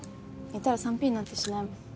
いたら３Ｐなんてしないもん。